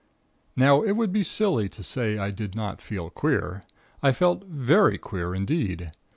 "Now it would be silly to say I did not feel queer. I felt very queer indeed.